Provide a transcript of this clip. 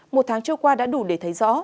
một tháng trôi qua đã đủ để thấy rõ